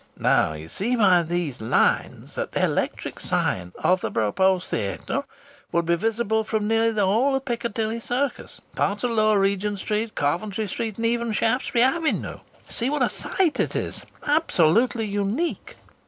"Now you see by those lines that the electric sign of the proposed theatre would be visible from nearly the whole of Piccadilly Circus, parts of Lower Regent Street, Coventry Street and even Shaftesbury Avenue. You see what a site it is absolutely unique."